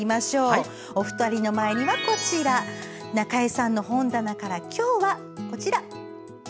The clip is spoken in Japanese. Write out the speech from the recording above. お二人の前には中江さんの本棚から今日はこちら。